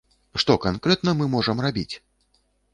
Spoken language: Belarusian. Што канкрэтна мы можам рабіць?